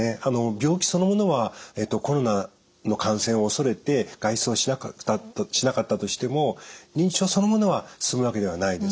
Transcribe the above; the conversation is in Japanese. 病気そのものはコロナの感染を恐れて外出をしなかったとしても認知症そのものは進むわけではないです。